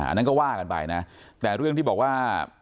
อันนั้นก็ว่ากันไปนะแต่เรื่องที่บอกว่า